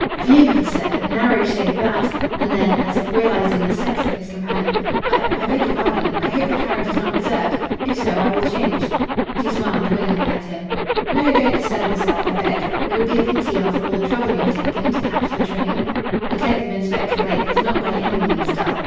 "Phew," he said. "A narrow shave that," and then, as if realising the sex of his companion, "I I beg your pardon. I hope the carriage is not reserved. If so, I will change." She smiled winningly at him. "No, don't disturb yourself, I beg. It would be a pity after all the trouble you have taken to catch the train." Detective Inspector Blake was not by any means dull.